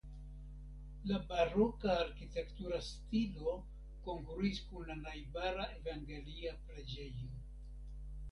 La baroka arkitektura stilo kongruis kun la najbara evangelia preĝejo.